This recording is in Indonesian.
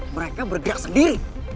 mereka bergerak sendiri